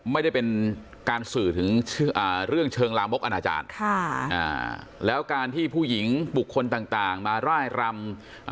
ไม่ได้เป็นการสื่อถึงเรื่องเชิงลามกอนาจารย์แล้วการที่ผู้หญิงบุคคลต่างมาร่ายรำ